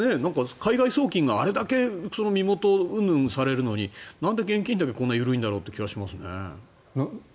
海外送金があれだけ身元うんぬんされるのになんで現金だけこんなに緩いんだろうという気はしますけどね。